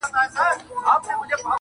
• ستا د مړو سترګو کاته زما درمان سي..